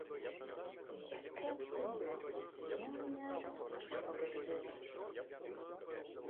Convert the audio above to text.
— Яке диво? Я-м не апостол, щоб робити диво.